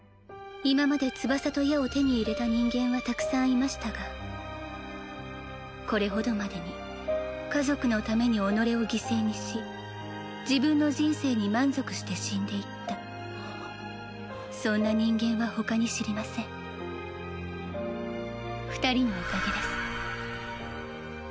今まで翼と矢を手に入れた人間はたくさんいましたがこれほどまでに家族のために己を犠牲にし自分の人生に満足して死んでいったそんな人間は他に知りません２人のおかげです